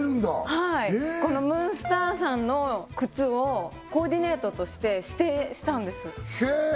はいこのムーンスターさんの靴をコーディネートとして指定したんですへえ